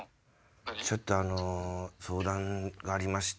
ちょっとあの相談がありまして。